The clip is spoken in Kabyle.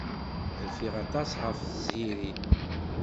Rfiɣ aṭas ɣef Tiziri.